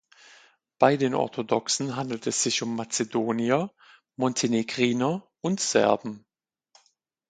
Bei den Orthodoxen handelt es sich um Mazedonier, Montenegriner und Serben.